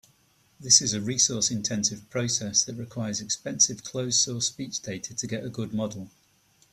This is a resource-intensive process that requires expensive closed-source speech data to get a good model.